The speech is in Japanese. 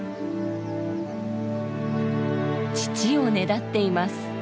乳をねだっています。